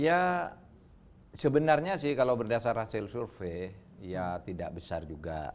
ya sebenarnya sih kalau berdasar hasil survei ya tidak besar juga